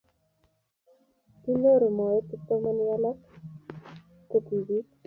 kinyoru moet kipsomaninik alak che tibik